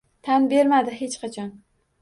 Tan bermadi hech qachon.